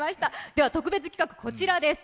では特別企画、こちらです。